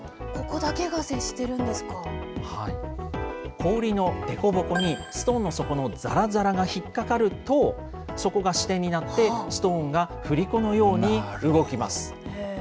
氷の凸凹に、ストーンの底のざらざらが引っ掛かると、そこが支点になってストーンが振り子のように動きます。